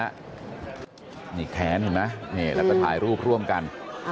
อันนี้แขนนะแล้วถ่ายรูปร่วมกัน